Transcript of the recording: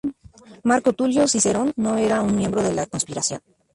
Marco Tulio Cicerón no era un miembro de la conspiración.